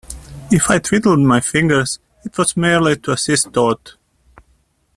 If I twiddled my fingers, it was merely to assist thought.